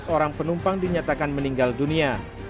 tiga belas orang penumpang dinyatakan meninggal dunia